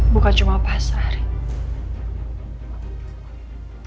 bukan cuma pas riki